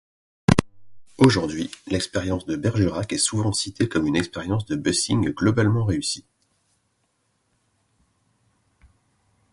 Aujourd'hui, l'expérience de Bergerac est souvent citée comme une expérience de busing globalement réussie.